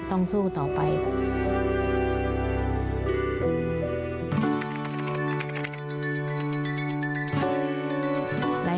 ต้องสู้ต่อไป